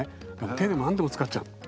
手でも何でも使っちゃう。